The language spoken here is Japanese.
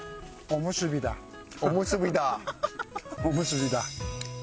おむすびだ。